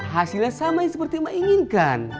hasilnya sama yang seperti mbak inginkan